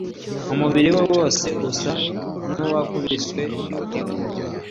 Umubili we wose usa n’uwakubiswe n’inkuba!